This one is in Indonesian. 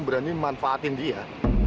berani manfaatin dia